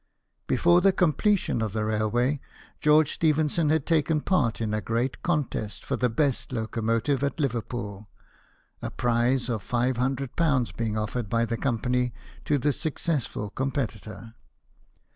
Before the completion of the railway, George Stephenson had taken part in a great contest for the best locomotive at Liverpool, a prize of ^500 having been offered by the company to the successful competitor.